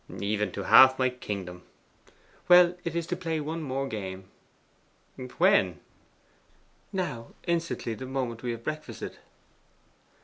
'Even to half my kingdom.' 'Well, it is to play one game more.' 'When?' 'Now, instantly; the moment we have breakfasted.